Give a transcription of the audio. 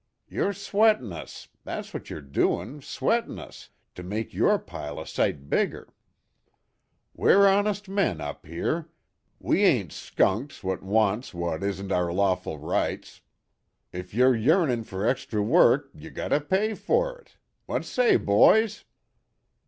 "You're sweatin' us. That's wot you're doin', sweatin' us, to make your pile a sight bigger. We're honest men up here; we ain't skunks what wants wot isn't our lawful rights. Ef you're yearnin' fer extry work you got to pay fer it. Wot say, boys?"